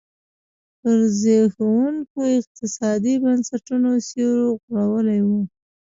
پر زبېښونکو اقتصادي بنسټونو سیوری غوړولی و.